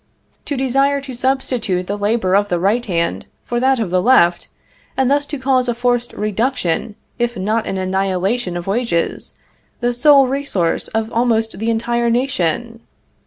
to desire to substitute the labor of the right hand for that of the left, and thus to cause a forced reduction, if not an annihilation of wages, the sole resource of almost the entire nation!